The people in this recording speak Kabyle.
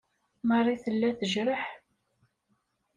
Marie tella tejreḥ.